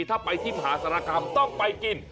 ถ้าไปที่มหาศาลกรรมต้องไปกิน